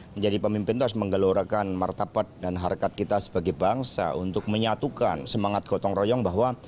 menjadi pemimpin itu harus menggelorakan martabat dan harkat kita sebagai bangsa untuk menyatukan semangat gotong royong bahwa